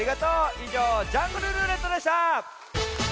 いじょう「ジャングルるーれっと」でした！